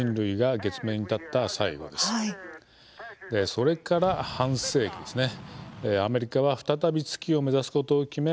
それから半世紀、アメリカは再び月を目指すことを決め